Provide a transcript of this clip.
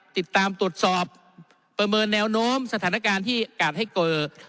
ติดตามตรวจสอบประเมินแนวโน้มสถานการณ์ที่อากาศให้เกิด